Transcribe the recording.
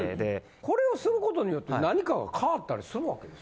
これをすることによって何かが変わったりするわけです？